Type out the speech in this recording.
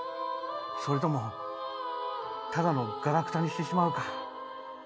それともただのガラクタにしてしまうか。